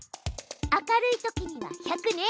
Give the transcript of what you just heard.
明るいときには「１００」ね。